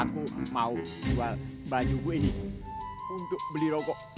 aku mau jual baju gua ini untuk beli rokok